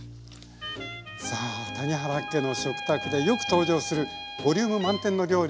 さあ谷原家の食卓でよく登場するボリューム満点の料理